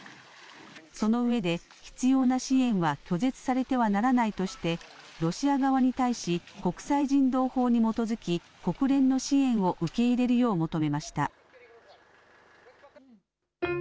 その上で、必要な支援は拒絶されてはならないとして、ロシア側に対し国際人道法に基づき、国連の支援を受け入れるよう求めました。